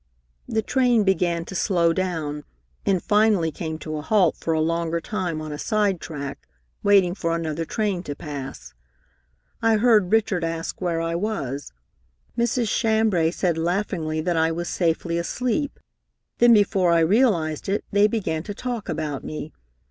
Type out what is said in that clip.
"The train began to slow down, and finally came to a halt for a longer time on a sidetrack, waiting for another train to pass. I heard Richard ask where I was. Mrs. Chambray said laughingly that I was safely asleep. Then, before I realized it, they began to talk about me.